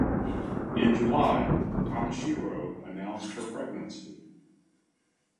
In July, Tamashiro announced her pregnancy.